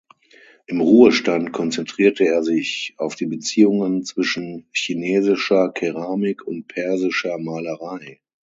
Im Ruhestand konzentrierte er sich auf die Beziehungen zwischen chinesischer Keramik und persischer Malerei.